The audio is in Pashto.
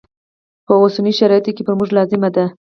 په اوسنیو شرایطو کې پر موږ لازمه ده.